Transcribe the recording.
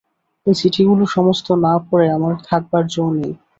এ চিঠিগুলো সমস্ত না পড়ে আমার থাকবার জো নেই।